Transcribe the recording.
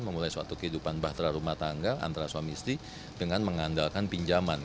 memulai suatu kehidupan bahtera rumah tangga antara suami istri dengan mengandalkan pinjaman